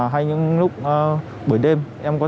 hay những lúc buổi đêm